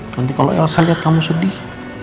nanti kalau elsa lihat kamu sedih